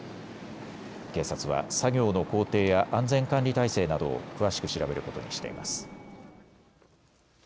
警察は作業の工程や安全管理態勢などを詳しく調べることにしています。